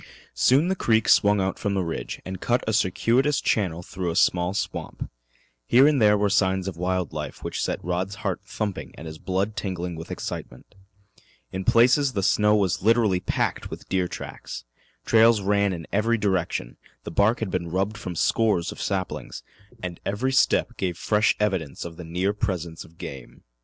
Soon the creek swung out from the ridge and cut a circuitous channel through a small swamp. Here there were signs of wild life which set Rod's heart thumping and his blood tingling with excitement. In places the snow was literally packed with deer tracks. Trails ran in every direction, the bark had been rubbed from scores of saplings, and every step gave fresh evidence of the near presence of game.